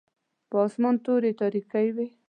پر اسمان توري تاریکې وې.